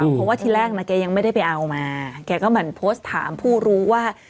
เพราะว่าที่แรกนะแกยังไม่ได้ไปเอามาแกก็เหมือนโพสต์ถามผู้รู้ว่า